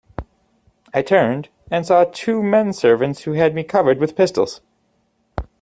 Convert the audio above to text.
I turned, and saw two men-servants who had me covered with pistols.